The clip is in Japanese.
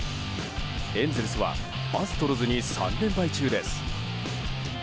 エンゼルスはアストロズに３連敗中です。